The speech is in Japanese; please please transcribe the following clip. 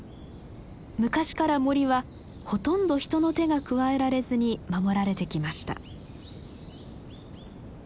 昔から森はほとんど人の手が加えられずに守られてきました。